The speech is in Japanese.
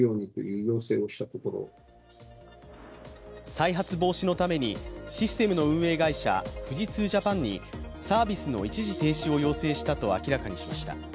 再発防止のためにシステムの運営会社富士通Ｊａｐａｎにサービスの一時停止を要請したと明らかにしました。